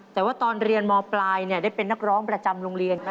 แต่ว่าตอนเรียนมปลายได้เป็นนักร้องประจำโรงเรียน